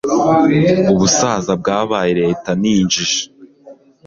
ubusaza bwabaye leta ninjije